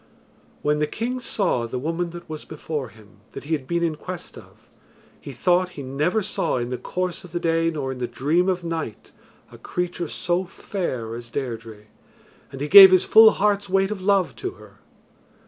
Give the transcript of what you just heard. When the king saw the woman that was before him that he had been in quest of, he thought he never saw in the course of the day nor in the dream of night a creature so fair as Deirdre and he gave his full heart's weight of love to her.